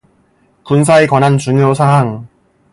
군사에 관한 중요사항